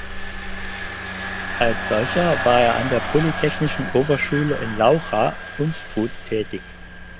Als solcher war er an der Polytechnischen Oberschule in Laucha (Unstrut) tätig.